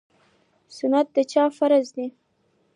ساتنه د چا فرض دی؟